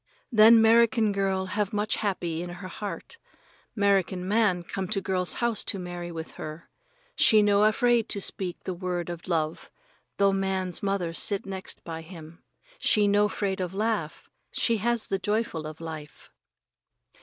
Then 'Merican girl have much happy in her heart. 'Merican man come to girl's house to marry with her. She no afraid to speak the word of love, though man's mother sit next by him. She no 'fraid of laugh. She has the joyful of life.